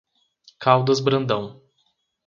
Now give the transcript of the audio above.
Caldas Brandão